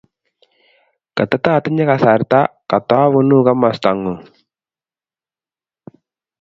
Katatatinye kasarta, katabune komasta ngung